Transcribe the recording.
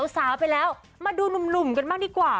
สาวไปแล้วมาดูหนุ่มกันบ้างดีกว่า